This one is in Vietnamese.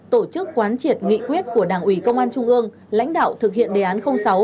tổ chức quán triệt nghị quyết của đảng ủy công an trung ương lãnh đạo thực hiện đề án sáu